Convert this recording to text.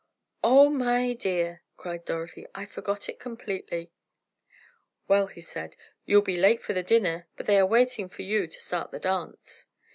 "Oh, my dear!" cried Dorothy, "I forgot it completely!" "Well," he said, "you'll be late for the dinner, but they are waiting for you to start the dance."